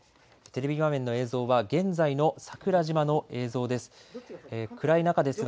テレビ画面の映像は現在の桜島の映像です。